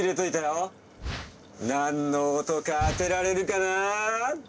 なんの音か当てられるかな？